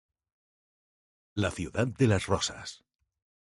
La ciudad de las rosas.